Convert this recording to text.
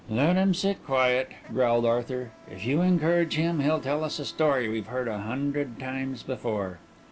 "Let him sit quiet," growled Arthur. "If you encourage him he'll tell us a story we've heard a hundred times before."